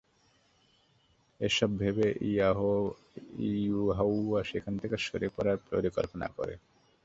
এসব ভেবে ইউহাওয়া সেখান থেকে সরে পড়ার পরিকল্পনা করে।